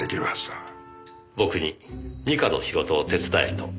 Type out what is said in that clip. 僕に二課の仕事を手伝えと？